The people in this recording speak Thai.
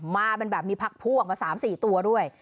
มาเป็นแบบมีพักพวกมา๓๔ตัวด้วย